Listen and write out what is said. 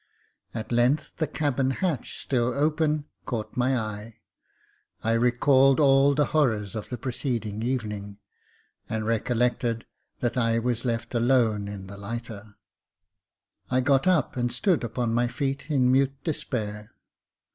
At length the cabin hatch, still open, caught my eye j I recalled all the horrors of the preceding Jacob Faithful 1 1 evening, and recollected that I was left alone in the lighter. I got up and stood upon my feet in mute despair.